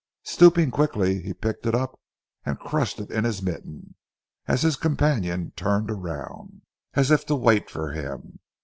Stooping quickly, he picked it up, and crushed it in his mitten, as his companion turned round, as if to wait for him.